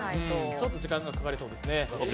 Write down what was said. ちょっと時間がかかりそうですね。